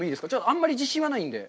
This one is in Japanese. あんまり自信はないんで。